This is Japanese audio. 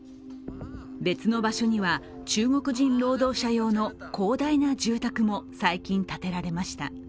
別の場所には中国人労働者用の広大な住宅も最近建てられました。